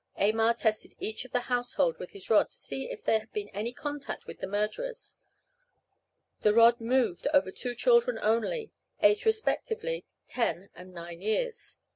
Aymar tested each of the household with his rod, to see if they had been in contact with the murderers. The rod moved over the two children only, aged respectively ten and nine years.